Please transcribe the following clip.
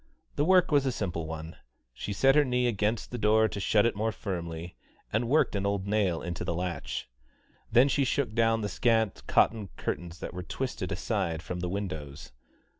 The work was a simple one: she set her knee against the door to shut it more firmly, and worked an old nail into the latch. Then she shook down the scant cotton curtains that were twisted aside from the windows.